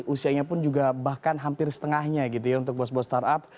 usianya pun juga bahkan hampir setengahnya gitu ya untuk bos bos startup